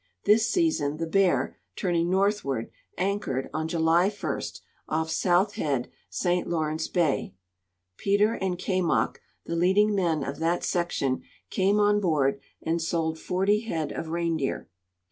This season the Bear, turning northward, anchored, on July 1, off South head, St. Lawrence bay. Peter and Kaimok, the leading men of that section, came on board and sold 40 head of reindeer.